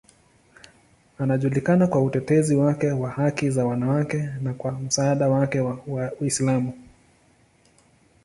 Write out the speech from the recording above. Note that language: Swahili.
Anajulikana kwa utetezi wake wa haki za wanawake na kwa msaada wake wa Uislamu.